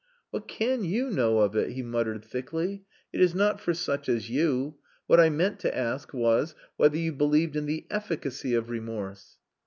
"What can you know of it?" he muttered thickly. "It is not for such as you.... What I meant to ask was whether you believed in the efficacy of remorse?"